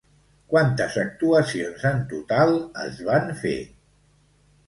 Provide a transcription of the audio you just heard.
Quantes actuacions en total es van fer?